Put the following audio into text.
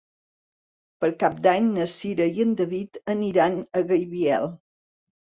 Per Cap d'Any na Cira i en David aniran a Gaibiel.